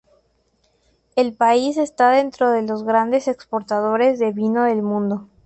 El país está dentro de los grandes exportadores de vino del mundo.